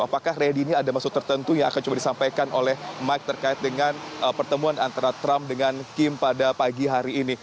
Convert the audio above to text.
apakah ready ini ada maksud tertentu yang akan coba disampaikan oleh mike terkait dengan pertemuan antara trump dengan kim pada pagi hari ini